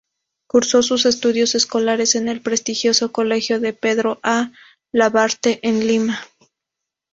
Cursó sus estudios escolares en el prestigioso Colegio de Pedro A. Labarthe, en Lima.